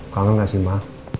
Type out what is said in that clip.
kangen gak sih ma